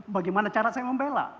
bagaimana cara saya membela